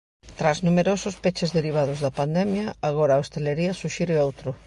Tras numerosos peches derivados da pandemia, agora a hostalería suxire outro.